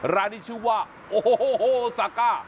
ร้านนี้ชื่อว่าโอ้โหซาก้า